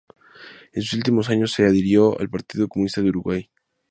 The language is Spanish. En sus últimos años se adhirió al Partido Comunista de Uruguay.